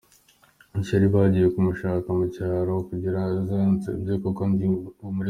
ishyari bagiye kumushaka mu cyaro kugirango aze ansebye kuko ndi muri Guma.